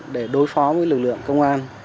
để đối phó với lực lượng công an